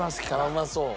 うまそう。